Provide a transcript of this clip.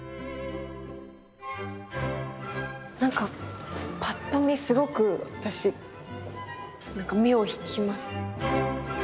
なんかぱっと見すごく私目を引きます。